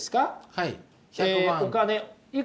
はい。